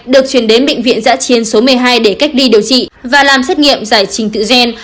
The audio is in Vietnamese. được chuyển đến bệnh viện giã chiến số một mươi hai để cách ly điều trị và làm xét nghiệm giải trình tự gen